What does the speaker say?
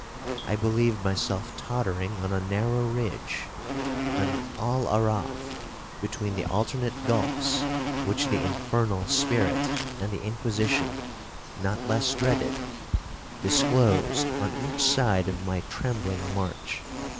I believed myself tottering on a narrow ridge,—an Al araf, between the alternate gulphs which the infernal spirit and the Inquisition (not less dreaded) disclosed on each side of my trembling march.